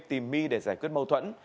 tìm my để giải quyết mâu thuẫn